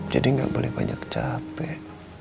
jadi nggak boleh banyak capek